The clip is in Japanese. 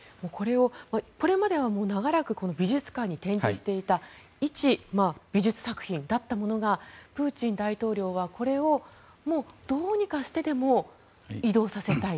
これまでは長らく美術館に展示していたいち美術作品だったものがプーチン大統領はこれをどうにかしてでも移動させたい。